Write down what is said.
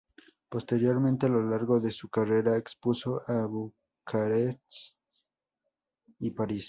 Posteriormente a lo largo de su carrera expuso en Bucarest y París.